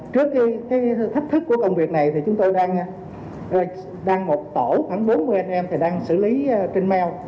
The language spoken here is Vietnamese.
trước cái thách thức của công việc này thì chúng tôi đang một tổ khoảng bốn mươi anh em thì đang xử lý trên mail